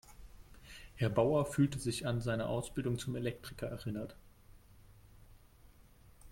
Herr Bauer fühlte sich an seine Ausbildung zum Elektriker erinnert.